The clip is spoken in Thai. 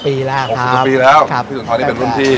๖๐ปีแล้วพี่สุนทรนี่เป็นรุ่นที่